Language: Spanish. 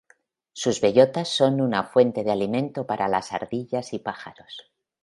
Sus bellotas son una fuente de alimento para las ardillas y pájaros.